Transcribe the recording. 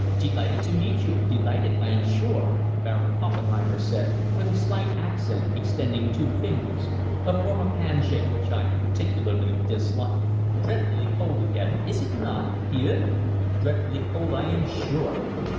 "Delighted to meet you delighted, I am sure," Baron Poppenheimer said, with a slight accent, extending two fingers a form of handshake which I particularly dislike. "Dreadfully cold again, is it not? hein? Dreadfully cold, I am sure."